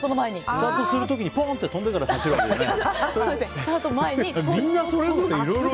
スタートする時にポンって飛んでから走るわけじゃない？